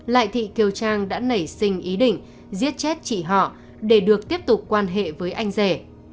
lại thị kiều trang đã nảy sinh ý định giết chết chị họ để được tiếp tục quan hệ với anh rể